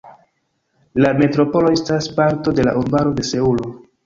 La metropolo estas parto de urbaro de Seulo.